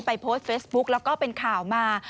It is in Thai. โพสต์เฟซบุ๊กแล้วก็เป็นข่าวมา